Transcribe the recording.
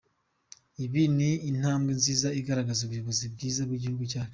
Ibi ni intabwe nziza igaragaza ubuyobozi bwiza bw’igihugu cyacu.